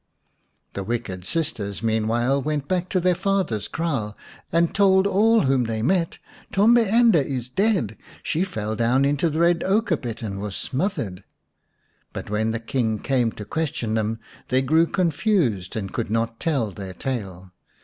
The wicked sisters meanwhile went back to their father's kraal and told all whom they met, " Tombi ende is dead. She fell down into the red ochre pit and was smothered." But when the King came to question them they grew confused, and could not tell their tale.